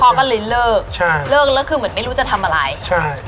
ก็เลยเลิกใช่เลิกแล้วคือเหมือนไม่รู้จะทำอะไรใช่